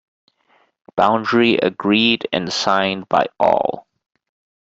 Boundary agreed and signed by all.